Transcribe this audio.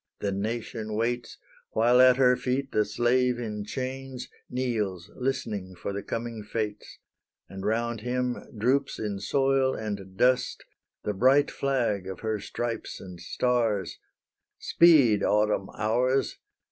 the Nation waits, While at her feet the slave in chains, Kneels, listening for the coming fates; And round him droops in soil and dust, The bright flag of her stripes and stars: Speed, Autumn hours!